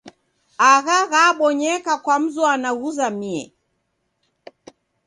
Agha ghabonyeka kwa mzwana ghuzamie.